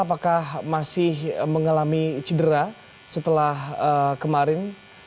apakah masih mengalami cedera setelah kemarin